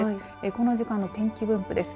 この時間の天気分布です。